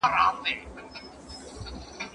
دا موضوع په ځانګړو حالتونو کي څنګه واقعيت لري؟